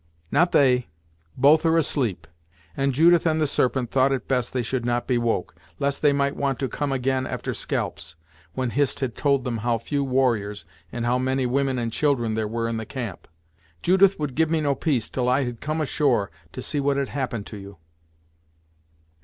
"Not they. Both are asleep, and Judith and the Serpent thought it best they should not be woke, lest they might want to come again after scalps, when Hist had told them how few warriors, and how many women and children there were in the camp. Judith would give me no peace, till I had come ashore to see what had happened to you."